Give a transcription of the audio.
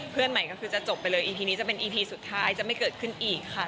เพื่อนใหม่ก็คือจะจบไปเลยอีพีนี้จะเป็นอีพีสุดท้ายจะไม่เกิดขึ้นอีกค่ะ